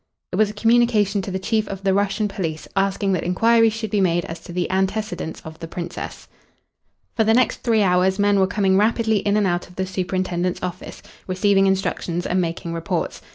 It was a communication to the Chief of the Russian police, asking that inquiries should be made as to the antecedents of the Princess. For the next three hours men were coming rapidly in and out of the superintendent's office, receiving instructions and making reports.